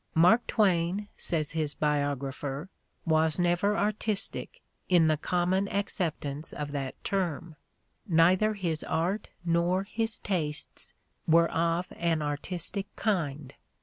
"Mark Twain," says his biographer, "was never artistic, in the common accept ance of that term; neither his art nor his tastes were of an 'artistic' kind."